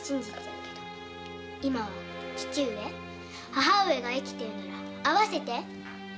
母上が生きているのなら会わせて。